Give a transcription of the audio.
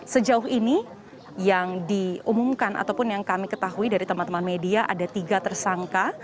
sejauh ini yang diumumkan ataupun yang kami ketahui dari teman teman media ada tiga tersangka